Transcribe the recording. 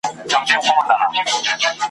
ته به هم کله زلمی وې په همزولو کي ښاغلی !.